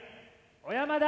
小山田。